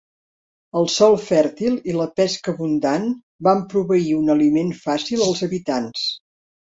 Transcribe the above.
El sòl fèrtil i la pesca abundant van proveir un aliment fàcil als habitants.